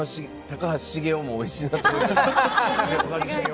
高橋茂雄もおいしいと思ってます。